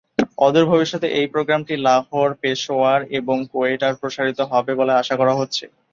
অদূর ভবিষ্যতে এই প্রোগ্রামটি লাহোর, পেশোয়ার এবং কোয়েটায় প্রসারিত হবে বলে আশা করা হচ্ছে।